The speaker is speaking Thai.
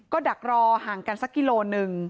ก็ดักรอห่างกันสักกิโลหนึ่ง